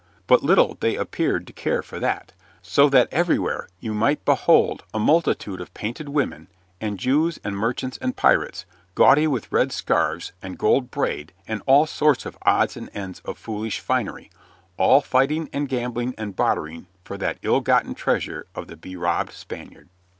But little they appeared to care for that; so that everywhere you might behold a multitude of painted women and Jews and merchants and pirates, gaudy with red scarfs and gold braid and all sorts of odds and ends of foolish finery, all fighting and gambling and bartering for that ill gotten treasure of the be robbed Spaniard.